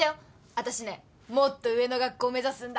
あたしねもっと上の学校目指すんだ。